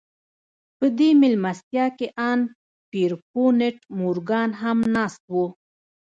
په دې مېلمستیا کې ان پیرپونټ مورګان هم ناست و